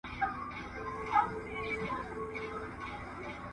تعلیم د مختلفو مهارتونو د ترلاسه کولو موقع برابروي.